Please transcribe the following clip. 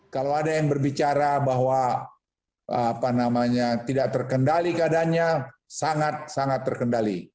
kalau ada yang berbicara bahwa tidak terkendali keadaannya sangat sangat terkendali